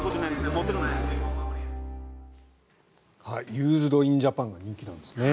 ユーズド・イン・ジャパンが人気なんですね。